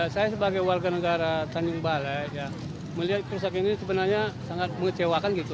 saya sebagai warga negara tanjung balai melihat kerusakan ini sebenarnya sangat mengecewakan gitu